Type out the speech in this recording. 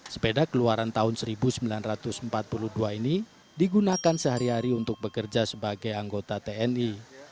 sepeda keluaran tahun seribu sembilan ratus empat puluh dua ini digunakan sehari hari untuk bekerja sebagai anggota tni